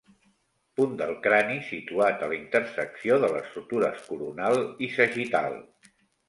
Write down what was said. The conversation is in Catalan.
Punt del crani situat a la intersecció de les sutures coronal i sagital.